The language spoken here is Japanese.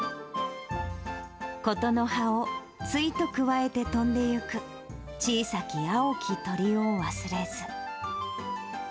言の葉をついとくわえて飛んでゆく小さき青き鳥を忘れず。